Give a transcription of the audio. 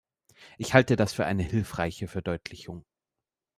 Ich halte das für eine hilfreiche Verdeutlichung.